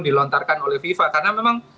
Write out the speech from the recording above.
dilontarkan oleh fifa karena memang